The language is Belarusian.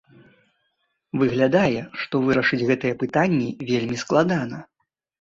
Выглядае, што вырашыць гэтыя пытанні вельмі складана.